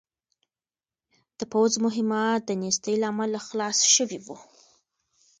د پوځ مهمات د نېستۍ له امله خلاص شوي وو.